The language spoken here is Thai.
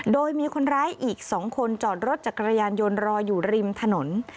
โดยมีคนร้ายอีก๒คนจอดรถจักรยานยนต์รออยู่ริมถนน